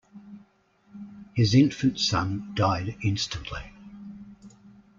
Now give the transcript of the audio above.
His infant son died instantly.